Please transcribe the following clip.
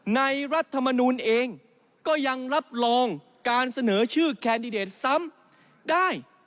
รัฐมนูลเองก็ยังรับรองการเสนอชื่อแคนดิเดตซ้ำได้